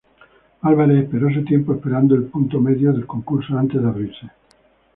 Álvarez esperó su tiempo esperando el punto medio del concurso antes de abrirse.